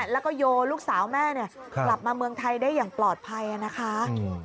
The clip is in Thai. แล้วก็โยลูกสาวแม่กลับมาเมืองไทยได้อย่างปลอดภัยนะคะ